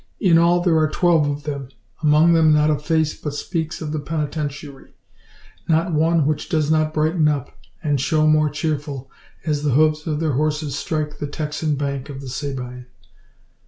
In all there are twelve of them; among them not a face but speaks of the Penitentiary not one which does not brighten up, and show more cheerful, as the hooves of their horses strike the Texan bank of the Sabine.